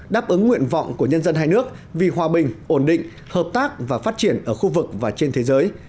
đáp ứng nguyện vọng của nhân dân hai nước vì hòa bình ổn định hợp tác và phát triển ở khu vực và trên thế giới